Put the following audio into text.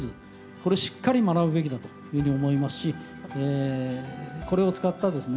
これしっかり学ぶべきだというふうに思いますしこれを使ったですね